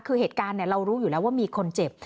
คือเหตุการณ์เรารู้อยู่แล้วว่ามีคนเจ็บ